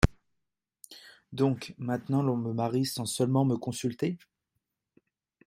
Donc, maintenant l’on me marie Sans seulement me consulter ?